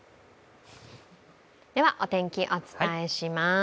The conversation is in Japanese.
では、お天気、お伝えします。